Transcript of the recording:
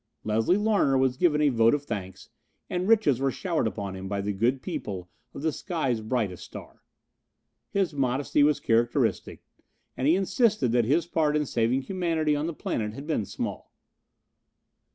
Leslie Larner was given a vote of thanks, and riches were showered upon him by the good people of the sky's brightest star. His modesty was characteristic, and he insisted that his part in saving humanity on the planet had been small.